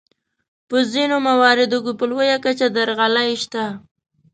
په ځینو مواردو کې په لویه کچه درغلۍ شته.